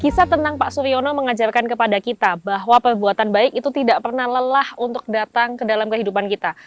kisah tentang pak suryono mengajarkan kepada kita bahwa perbuatan baik itu tidak pernah lelah untuk datang ke dalam kehidupan kita